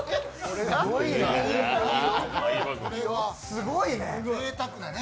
すごいね。